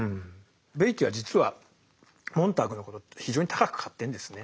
ベイティーは実はモンターグのことを非常に高く買ってんですね。